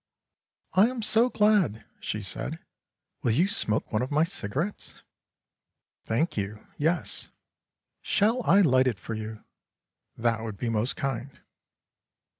"I am so glad," she said; "will you smoke one of my cigarettes?" "Thank you, yes." "Shall I light it for you?" "That would be most kind."